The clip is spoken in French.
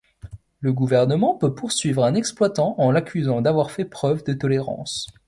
Le gouvernement peut poursuivre un exploitant en l’accusant d’avoir fait preuve de tolérance.